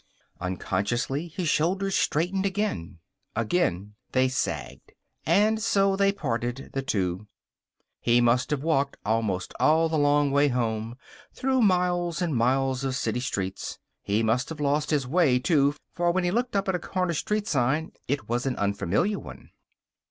Unconsciously his shoulders straightened again. Again they sagged. And so they parted, the two. He must have walked almost all the long way home, through miles and miles of city streets. He must have lost his way, too, for when he looked up at a corner street sign it was an unfamiliar one.